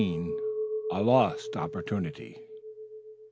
A LOST OPPORTUNITY.